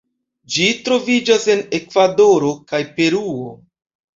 Ĝi troviĝas en Ekvadoro kaj Peruo.